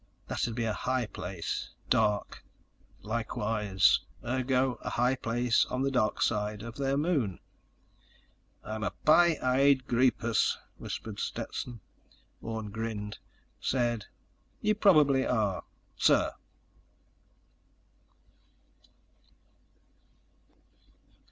That'd be a high place. Dark, likewise. Ergo: a high place on the darkside of their moon." "I'm a pie eyed greepus," whispered Stetson. Orne grinned, said: "You probably are ... sir."